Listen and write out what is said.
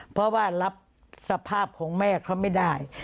เพราะว่ารับสภาพของแม่เขาไม่ได้